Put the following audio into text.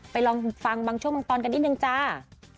ลองฟังบางช่วงบางตอนกันนิดนึงจ้า